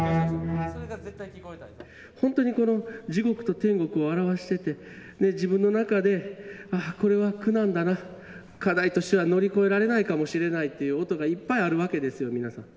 本当にこの地獄と天国を表してて、自分の中で、ああ、これは苦難だな、課題としては乗り越えられないかもしれないという音がいっぱいあるわけですよ、皆さん。